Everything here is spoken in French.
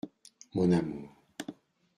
Mon amour.